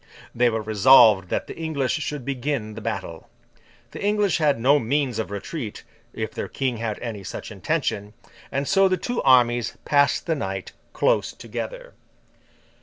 They were resolved that the English should begin the battle. The English had no means of retreat, if their King had any such intention; and so the two armies passed the night, close together.